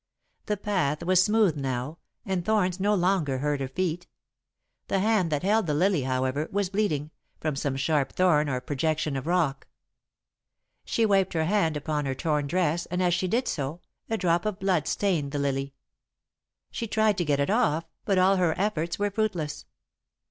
The path was smooth, now, and thorns no longer hurt her feet. The hand that held the lily, however, was bleeding, from some sharp thorn or projection of rock. [Sidenote: The Blood Stained Lily] She wiped her hand upon her torn dress, and, as she did so, a drop of blood stained the lily. She tried to get it off, but all her efforts were fruitless.